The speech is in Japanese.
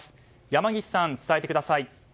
山岸さん、伝えてください。